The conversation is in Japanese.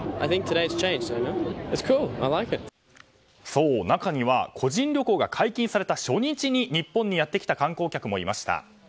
そう、中には個人旅行が解禁された初日に日本にやってきた観光客もいました。